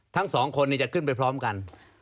ทั้งสองคนจะขึ้นไปพร้อมกัน